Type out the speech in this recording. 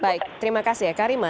baik terima kasih ya karima